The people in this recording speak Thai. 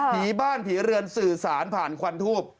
ผีบ้านผีเรือนสื่อสารผ่านควันทูบ